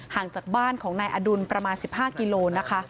จากบ้านของนายอดุลประมาณ๑๕กิโลนะคะ